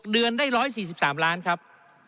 เดือนได้๑๔๓ล้านครับ